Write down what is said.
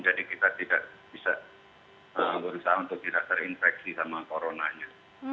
jadi kita tidak bisa berusaha untuk tidak terinfeksi sama coronanya